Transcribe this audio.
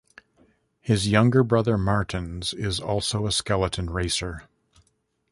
His younger brother Martins is also a skeleton racer.